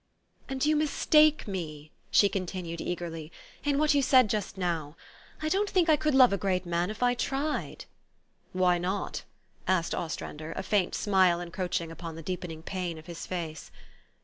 "And you mistake me," she continued eagerly, " in what you said just now. I don't think I could love a great man, if I tried." " Why not? " asked Ostrander, a faint smile en croaching upon the deepening pain of his face.